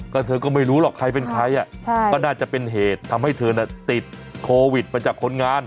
ก็เธอก็ไม่รู้หรอกใครเป็นใครก็น่าจะเป็นเหตุทำให้เธอน่ะติดโควิดมาจากคนงาน